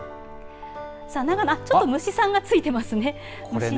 長野、ちょっと虫さんが付いてますね。